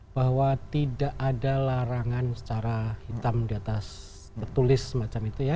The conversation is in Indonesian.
bahwa tidak ada larangan secara hitam di atas petulis semacam itu ya